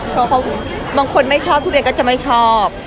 เพราะบางคนไม่ชอบทุเรียนก็จะไม่ชอบ